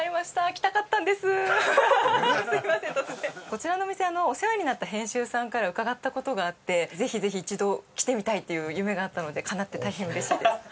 こちらのお店お世話になった編集さんから伺った事があってぜひぜひ一度来てみたいっていう夢があったのでかなって大変嬉しいです。